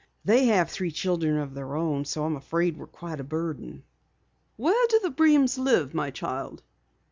They have three children of their own, and I'm afraid we're quite a burden." "Where do the Breens live, my child?"